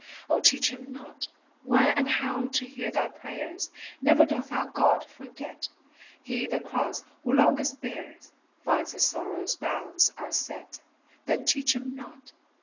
Oh, teach him not When and how to hear thy prayers; Never doth our God forget; He the cross who longest bears Finds his sorrows' bounds are set; Then teach him not!